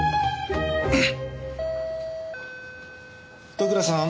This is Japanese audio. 戸倉さん？